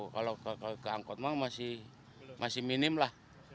kalau ke angkot mah masih minim lah